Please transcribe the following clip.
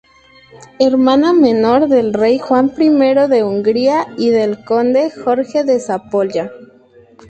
Hermana menor del rey Juan I de Hungría y del conde Jorge de Zápolya.